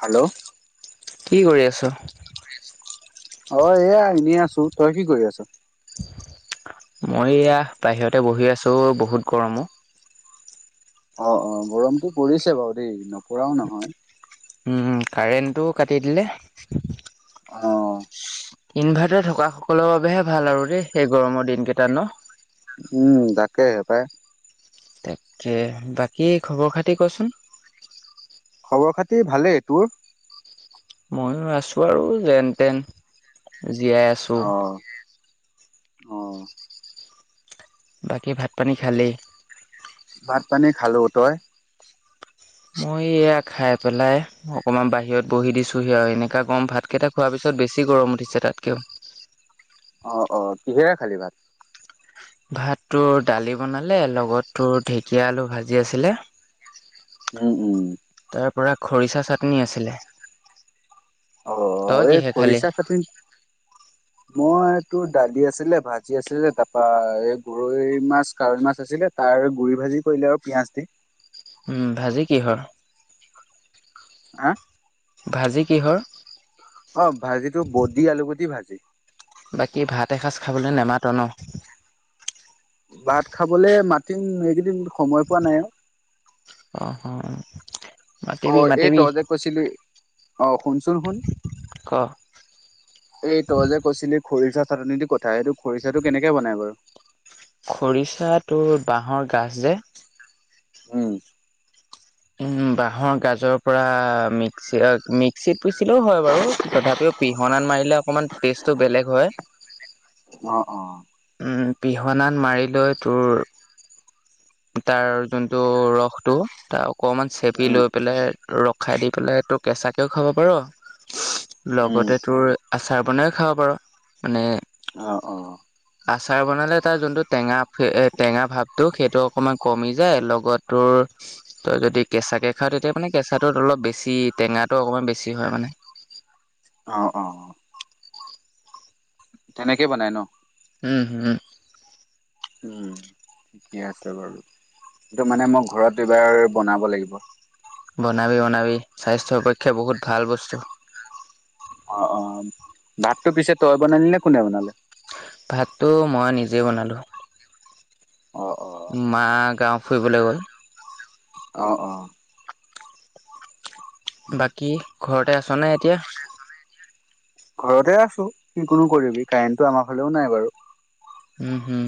Hello? কি কৰি আছ? অ' এয়া এনেই আছোঁ। তই কি কৰি আছ? মই এয়া বাহিৰতে বহি আছোঁ। বহুত গৰম ও। অ' - অ' গৰমটো পৰিছে বাৰু দেই, নপৰাও নহয়। উম, কাৰেণ্টটোও কাটি দিলে। অ'। ইনভাৰ্টাৰ থকা সকলৰ বাবেহে ভাল আৰু দেই, এই গৰমৰ দিনকেইটা ন'। উম, তাকেহে পায়। তাকে। বাকী খবৰ-খাতি কচোন। খবৰখাতি ভালেই, তোৰ? ময়ো আছোঁ আৰু, যেন-তেন। জীয়াই আছোঁ। অ অ'। বাকী ভাতপানী খালি? ভাতপানী খালোঁ, তই? মই এয়া খাই পেলাই অকমান বাহিৰত বহি দিছোহি আৰু এনেকা গৰম ভাত কেইটা খোৱাৰ পিছত বেছি গৰম উঠিছে তাতকেও। অ' - অ' কিহেৰে খালি ভাত? ভাত তোৰ দালি বনালে, লগত তোৰ ঢেকীয়া আলু ভাজি আছিলে। উম, উম। তাৰ পৰা খৰিচা চাটনি আছিলে। অ', তই এই কিহে খালি? খৰিচা চাটনি মই তোৰ দালি আছিলে, ভাজি আছিলে তাৰপা এই গৰৈ মাছ, কাৱৈ মাছ আছিলে তাৰ গুৰি ভাজি কৰিলে আৰু পিঁয়াজ দি উম, ভাজি কিহৰ হা? ভাজি কিহৰ? অ', ভাজিটো বডি, আলুগুটি ভাজি বাকী ভাত এসাঁজ খাবলৈ নেমাত ন? ভাত খাবলে মাতিম এইকিদিন সময় পোৱা নাই অ অ', অ। মাতিবি অ', এই মাতিবি তই যে, কৈছিলি অ', শুনচোন শুন ক এই তই যে, কৈছিলি খৰিচা [unintelligible] কথা এইটো খৰিচাটো কেনেকে বনাই বাৰু? খৰিচাটো বাঁহৰ গাজ যে উম। উম, বাঁহৰ গাজৰ পৰা মিক্সিত অ', মিক্সিত পিচিলেও হয়, বাৰু তথাপিও পিহনাত মাৰিলে অকনমান টেষ্ট তটো বেলেগ হয়। অ অ উম, পিহনাত মাৰি লৈ তোৰ তাৰ যোনটো ৰসটো তাৰ অকণমান চেপি উম লৈ পেলাই ৰস খাই দি পেলাই তোৰ কেঁচাকেও খাব পাৰ উম লগতে তোৰ আচাৰ বনাইও খাব পাৰ। মানে, অ অ আচাৰ বনালে তাৰ যোনটো টেঙা এ, টেঙা ভাৱটো সেইটো অকণমান কমি যায় লগত তোৰ তই, যদি কেঁচাকে খাও তেতিয়া মানে কেঁচাটোত অলপ বেছি টেঙাটো অকমান বেছি হয়, মানে। অ', অ। তেনেকে বনায় ন? হম‌‌, হম। উম, ঠিকে আছে বাৰু সেইটো মানে মই ঘৰত এবাৰ বনাব লাগিব। সপক্ষে বহুত ভাল বস্তু। অ', অ', ভাতটো পিছে তই বনালি নে কোনে বনালে? ভাতটো মই নিজে বনালো। অ। অ মা গাওঁ ফুৰিবলৈ গ'ল। অ', অ। বাকী। ঘৰতে আছ' নে এতিয়া? ঘৰতে আছোঁ, কিনো কৰিবি কাৰেণ্টটো আমাৰ ফালেও নাই বাৰু। উম, হুম।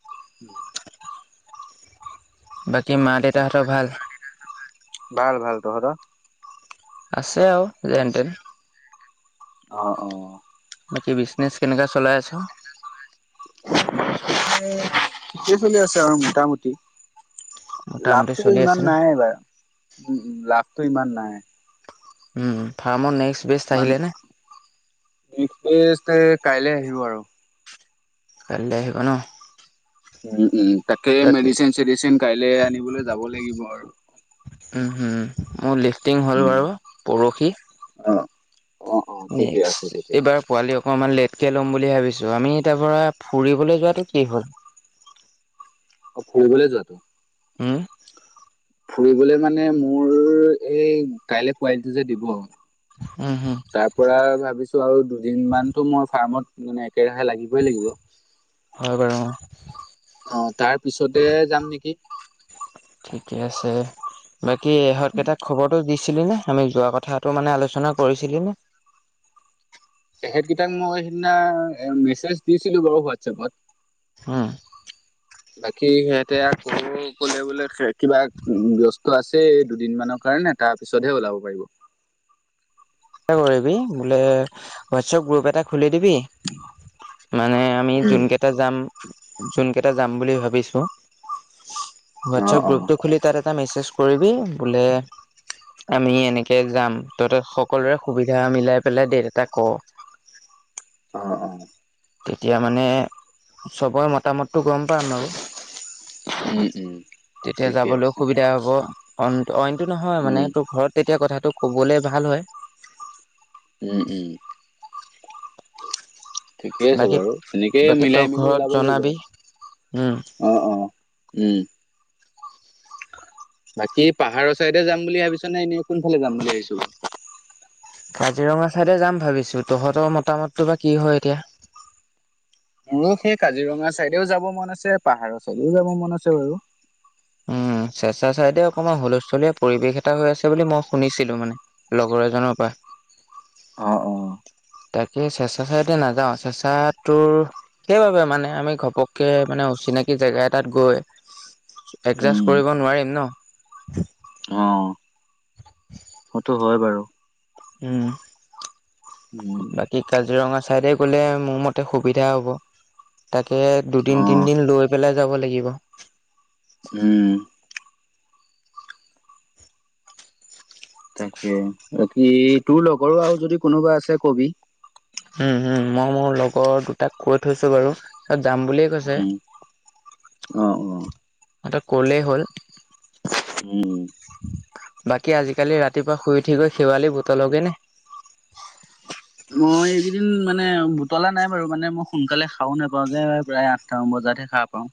[unintelligible] বাক কী, মা-দেউতাহঁতৰ ভাল? ভাল, ভাল, তহঁতৰ? আছে আও যেনতেন। অ', অ'। বাকী বিজনেচ কেনেকা চলাই আছ'? ঠিকে চলি আছে আৰু মোটামুটি। মোটামুটি লাভটো চলি আছে ইমান ন? নাই এইবাৰ। উম, উম, লাভটো ইমান নাই। উম, ফাৰ্মৰ নেক্স [unintelligible] আহিলে নে? নি এতে কাইলে আহিব আৰু। কাইলে আহিব ন'। উম, উম। তাকেউ মেডিচিন চেডিচিন কাইলে আনিবলৈ যাব লাগিব আৰু। উম হুম মোৰ লিফ টিং হ'ল উম বাৰু পৰসি। অ অ অ ঠিকে নেক্সট, আছে তেতিয়া এইবাৰ পোৱালি অকমান লেট কে ল'ম বুলি ভাৱিছোঁ, আমি তাৰ পৰা ফুৰিবলৈ যোৱাটো কি হ'ল? অ', ফুৰিবলৈ যোৱাটো? উম ফুৰিবলৈ মানে মোৰ, এই কাইলৈ পোৱালিটো যে দিব উম হুম তাৰ পৰা ভাৱিছো, আৰু দুদিনমানটো মই ফাৰ্মত [unintelligible] একেৰাহে লাগিবই লাগিব। অ তাৰ পিছতে যাম নেকি ঠিকেই আছে, বাকী ইহঁত কেইটাক খবৰটো দিছ ছিলিনে, আমি যোৱা কথাটো মানে আলোচনা কৰিছিলি নে? তেহেঁতকেইটাক মই সেইদিনা মেছেজ দিছিলো বাৰু হোৱাটছএপত। অ' বাকী সিহঁতে অথনি ক'লে বোলে কিবা ব্যস্ত আছে দুদিনমানৰ কাৰণে, তাৰ পিছতহে ওলাব পাৰিব। কৰিবি, বোলে হোৱাটছএপ গ্ৰুপ এটা খুলি দিবি, মানে আমি উম জোনকেইটা যাম যোনকেইটা যাম বুলি ভাৱিছোঁ অ হোৱাটছএপ অ গ্ৰুপটো খুলি তাত এট এটা মেছেেজ কৰিবি বোলে আমি এনেকে যাম। তহ সকলোৰে সুবিধা মিলাই পেলাই ডেট এটা ক'। অ' অ'। তেতিয়া মানে চবৰে মতামত টো গ'ম পাম আৰু উম উম তেতিয়া ঠিকে যাবলৈ আছে সুবিধা হ'ব। অন্ত অইন টো নহয় মানে উম তোৰ ঘৰত তেতিয়া কথাটো ক'বলৈ ভাল হয়। উম উম। ঠিকেই আছে বাকী বাৰু, তেনেকেই বাকী তই মিলাই মেলি ঘৰত ওলাব লাগিব জনাবি উম আৰু। অ' অ' উম বাকী পাহাৰৰ চাইডে যাম বুলি ভাবিছ নে এনে কোনফালে যাম বুলি ভাবিছো? কাজিৰঙা ফালে যাম ভাবিছো। তহঁতৰ মতামতটো বা কি হয় এতিয়া। মোৰো সেই কাজিৰঙা চাইডেওঁ যব মন আছে, পাহাৰৰ চাইডেওঁ যাব মন আছে বাৰু। উম চেঁচা চাইডে অকণমান হুলস্থুলীয়া পৰিৱেশ এটা হৈ আছে বুলি মই শুনিছিলো মানে, লগৰ এজনৰ পা। অ' অ' তাকে চেচ চাইডে নাযাওঁ। চেচাতটোৰ সেইবাবে মানে আমি ঘপককে মানে অচিনাকি জেগা এটাত গৈ এডজাষ্ট উম কৰিব নোৱাৰিম ন। [inaudible] অ'। তো হয় বাৰু। উম। উম বাকী, কাজিৰঙা ছাইডে গ'লে মোৰ মতে সুবিধা হ'ব। তাত তে অ দুদিন-তিনিদিন লৈ পেলাই যাব লাগিব। উম। তাকে, বাকী, তোৰ লগৰো আৰু যদি কোনোবা আছে, ক'বি। উম, উম। মই মোৰ লগৰ দুটাক কৈ থৈছোঁ বাৰু। তাত যাম বুলিয়েই কৈছে। উম, অ', অ', এটাক কলেই হ'ল। উম। বাকী, আজিকালি ৰাতিপুৱা শুই উঠি গৈ, শেৱালি বুটলগে নে? মই এইকেইদিন মানে বুটলা নাই বাৰু। মানে মই সোনকালে সাৰও নেপাওঁ যে। প্ৰায় আঠটামান বজাতহে সাৰ পাওঁ।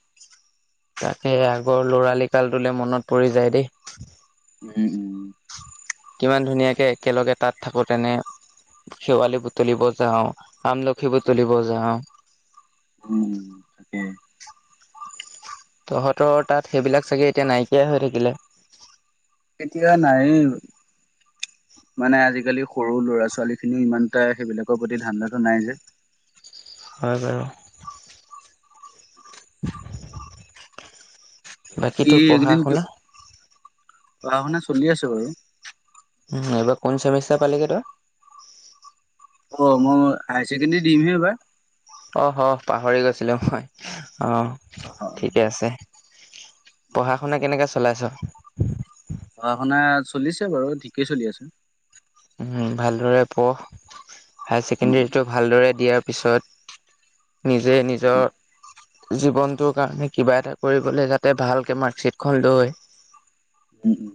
তাকে আগৰ ল'ৰালিকালটোলৈ মনত পৰি যায় দেই। উম, উম। কিমান ধুনীয়াকে একেলগে তাত থাকোতেনে শেৱালি বুটলিব যাওঁ। আমলখি বুটলিব যাওঁ। উম, তাকে। তহঁতৰ তাত সেইবিলাক চাগে এতিয়া নাইকিয়াই হৈ থাকিলে। এতিয়া নাইয়ে, মানে আজিকালি সৰু ল'ৰা ছোৱালী খিনিও ইমানটা সেইবিলাকৰ প্ৰতি ধান্দাটো নাই যে। হয় বাৰু। [inaudible] বাকী তোৰ পঢ়া একেদিন ক শুনা? পঢ়া শুনা চলি আছে বাৰু। উম এইবাৰ কোন চেমিষ্টাৰ পালিগে তই। অ' মই হায়াৰ ছেকেণ্ডাৰী দিমহে এইবাৰ। অ' অ', পাহৰি গৈছিলো মই। অঁ, অ', অ', ঠিকে আছে। পঢ়া শুনা কেনেকে চলাইছ। পঢ়া শুনা চলিছে বাৰু ঠিকেই চলি আছে। উম ভালদৰে পঢ়। হায়াৰ উম, ছেকেণ্ডেৰীটো ভালদৰে দিয়া। পিছত নিজে উম, উম, নিজৰ জীৱনটোৰ কাৰণে কিবা এটা কৰিবলৈ যাতে ভালকে মাৰ্কশ্বিট খন লৈ উম উম।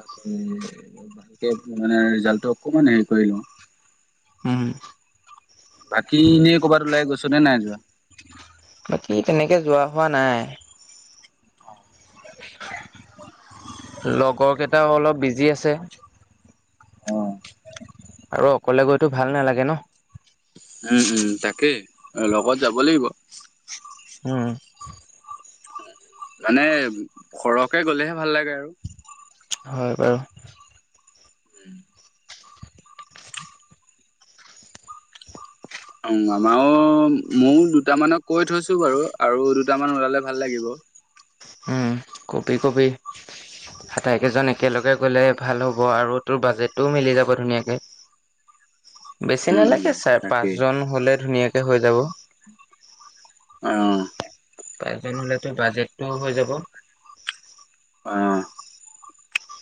তাকে মানে ৰিজাল্টো অকমান হেৰি কৰি লওঁ। হুম। বাকী এনেই কৰ'বাত ওলাই গৈছনে নাই যোৱা। বাকী তেনেকে যোৱা নাই। লগৰ কেইটাও অলপ বিজি আছে। অ'। আৰু অকলে গৈতো ভাল নালাগে ন। উম উম তাকেই লগত যাব লাগিব। উম। মানে সৰহকে গলেহে ভাল লাগে আৰু। হয় বাৰু। উম। অ' আমাৰো মোৰ দুটামানক কৈয় থৈছো বাৰু আৰু দুটামান ওলালে ভাল লাগিব। উম, কবি কবি। আতাইকেইজনে একেলগে গলে ভাল হ'ব আৰু তোৰ বাজেটটোও মিলি যাব ধুনীয়াকে। বেছি উম উম নালাগে চাৰ পাঁচ তাকেই জন হ'লে ধুনীয়াকে হৈ যাব। আহ পাচঁজন হ'লে তোৰ বাজেট টোও হৈ যাব। অ'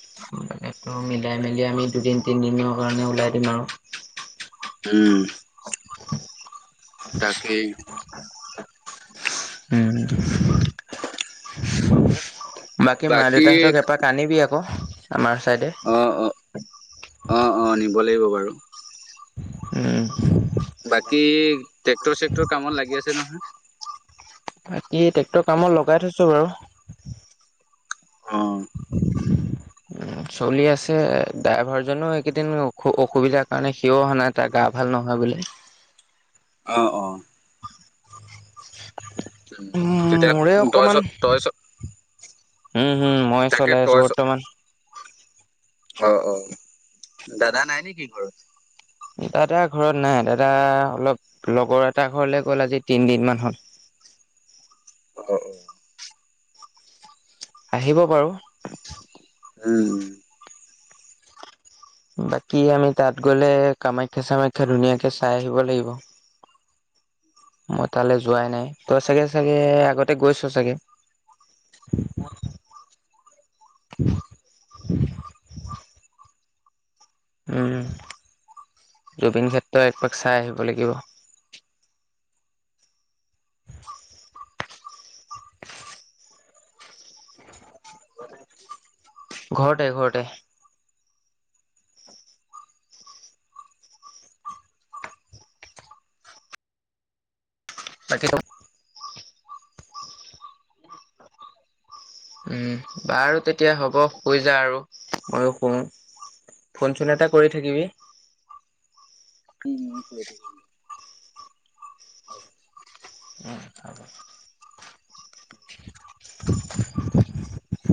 [unintelligible] মিলাই মেলি আমি দুদিন তিনিদিনৰ কাৰণে ওলাই দিম আৰু উম তাকেই উম বাকী মা- দেউতাহঁতক এপাক আনিবি আকৌ আমাৰ চাইডে অ', অ, অ', অ, নিব লাগিব বাৰু উম বাকী ট্ৰেক্টৰ চেক্টৰ কামত লাগি আছে নহয়? বাকী ট্ৰেক্টৰ কামত লগাই থৈছো বাৰু অ' উ, চলি আছে। ড্ৰাইভাৰজনো এইকেইদিন অসু অসুবিধাৰ কাৰণে সিও অহা নাই, তাৰ গা ভাল নহয় বুলি অ', অ। উম, তেতিয়া, মোৰে তই চ, অকমান তয়ে চ উম উম, ময়ে তাকে চলাই আছো তই চ বৰ্তমান অ', অ, দাদা নাই নেকি ঘৰত? দাদা ঘৰত নাই, দাদা অলপ লগৰ এটাাৰ ঘৰলে গ'ল আজি তিনদিন মান হ'ল। অ'। আহিব বাৰু। উম। বাকী আমি তাত গ'লে কামাখ্যা চামাখ্যা ধুনীয়াকে চাই আহিব লাগিব, মই তালে যোৱাই নাই তই চাগে চাগে আগতে গৈছ চাগে? উম জুবিন ক্ষেত্ৰ একপাক চাই আহিব লাগিব। উ [inaudible] ঘৰতে ঘৰতে। বাকী কওঁক? উম বাৰু তেতিয়া হ'ব শুই যা আৰু ময়ো শুওঁ, ফোন চোন এটা কৰি থাকিবি। উম কৰি থ [unintelligible] উম খ [unintelligible] [unintelligible]